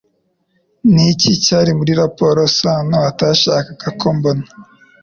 Ni iki cyari muri raporo Sano atashakaga ko mbona